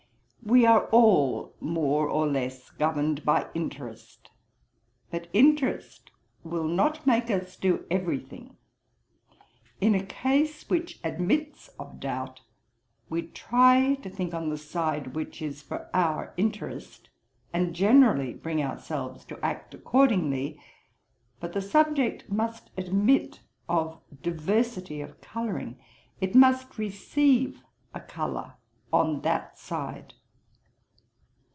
'We are all more or less governed by interest. But interest will not make us do every thing. In a case which admits of doubt, we try to think on the side which is for our interest, and generally bring ourselves to act accordingly. But the subject must admit of diversity of colouring; it must receive a colour on that side.